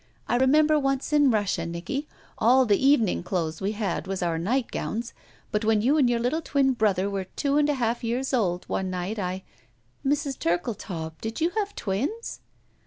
I remember once in Russia, Nicky, all the evening clothes we had was our nightgowns, but when you and your Uttle twin brother were two and a half years old, one night I —'* "Mrs. Turkletaub, did you have twins?"